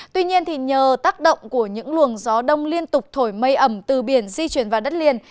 tuy nhiên nhờ tác động của những luồng gió đông liên tục thổi mây ẩm từ biển di chuyển vào đất liền